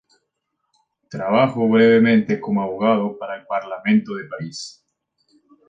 Trabajó brevemente como abogado para el Parlamento de París.